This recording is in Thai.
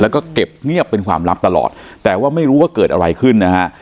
แล้วก็เก็บเงียบเป็นความลับตลอดแต่ว่าไม่รู้ว่าเกิดอะไรขึ้นนะฮะ